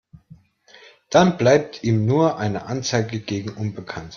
Dann bleibt ihm nur eine Anzeige gegen unbekannt.